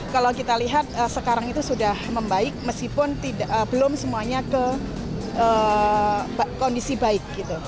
kalau kita lihat sekarang itu sudah membaik meskipun belum semuanya ke kondisi baik